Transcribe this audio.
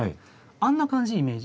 あんな感じイメージ。